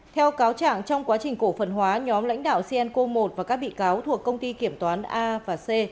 theo cáo trạng trong quá trình cổ phần hóa nhóm lãnh đạo cnco một và các bị cáo thuộc công ty kiểm toán a và c